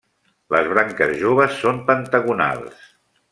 Les branques joves són pentagonals.